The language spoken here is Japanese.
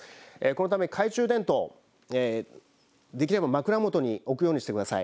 このため懐中電灯、できれば枕元に置くようにしてください。